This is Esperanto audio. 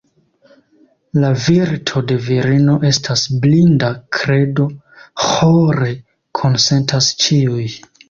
La virto de virino estas blinda kredo, ĥore konsentas ĉiuj.